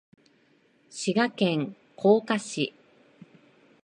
滋賀県甲賀市